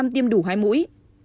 ba mươi tám tiêm đủ hai mũi